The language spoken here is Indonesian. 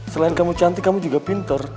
selain kamu cantik kamu juga pinter